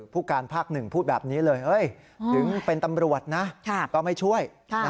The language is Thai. ผู้การภาคหนึ่งพูดแบบนี้เลยถึงเป็นตำรวจนะก็ไม่ช่วย